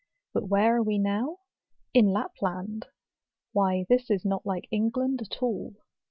But where are we now? In Lapland ! why this is not like England at all.